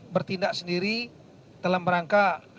bertindak sendiri dalam rangka